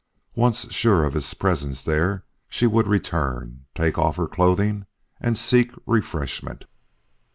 Once sure of its presence there, she would return, take off her clothing and seek refreshment.